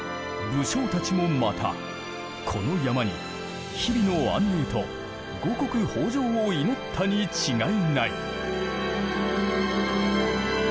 武将たちもまたこの山に日々の安寧と五穀豊穣を祈ったに違いない。